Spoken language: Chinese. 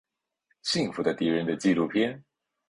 幸福的敌人的纪录片。